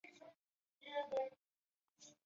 承建商及港铁监工均未有察觉。